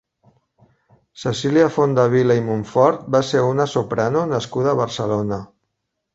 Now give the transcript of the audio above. Cecília Fondevila i Monfort va ser una soprano nascuda a Barcelona.